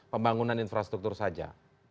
pembangunan infrastruktur saja